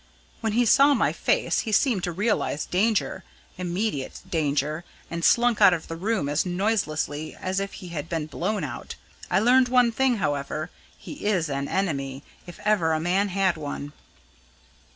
When he saw my face, he seemed to realise danger immediate danger and slunk out of the room as noiselessly as if he had been blown out. I learned one thing, however he is an enemy, if ever a man had one."